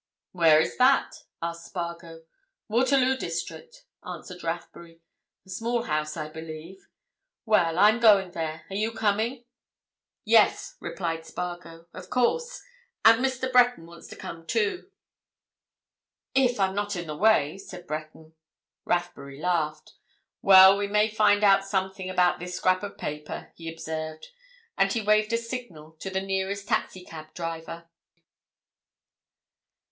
"Where is that?" asked Spargo. "Waterloo district," answered Rathbury. "A small house, I believe. Well, I'm going there. Are you coming?" "Yes," replied Spargo. "Of course. And Mr. Breton wants to come, too." "If I'm not in the way," said Breton. Rathbury laughed. "Well, we may find out something about this scrap of paper," he observed. And he waved a signal to the nearest taxi cab driver.